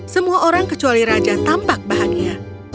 semua orang kecuali raja tampak bahagia